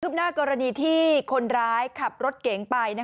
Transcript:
หน้ากรณีที่คนร้ายขับรถเก๋งไป